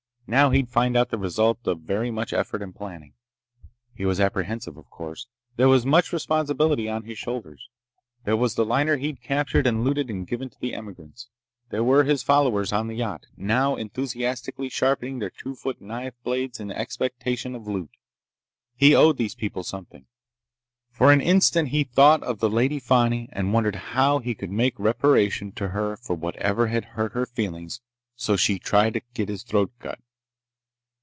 Now he'd find out the result of very much effort and planning. He was apprehensive, of course. There was much responsibility on his shoulders. There was the liner he'd captured and looted and given to the emigrants. There were his followers on the yacht, now enthusiastically sharpening their two foot knife blades in expectation of loot. He owed these people something. For an instant he thought of the Lady Fani and wondered how he could make reparation to her for whatever had hurt her feelings so she'd try to get his throat cut.